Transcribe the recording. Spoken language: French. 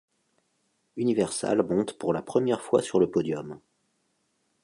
Universal monte pour la première fois sur le podium.